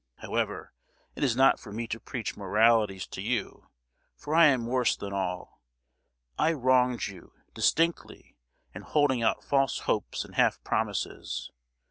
However, it is not for me to preach moralities to you, for I am worse than all! I wronged you, distinctly, in holding out false hopes and half promises.